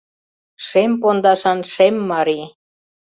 Шем пондашан шем марий —